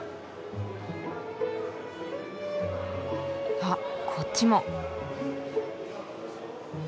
あっこっちも。